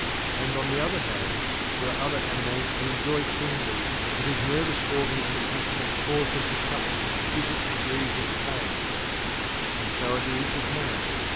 And on the other hand, there are other animals who enjoy keenly, but whose nervous organism and temperament cause them to suffer exquisite degrees of pain and so it is with Man.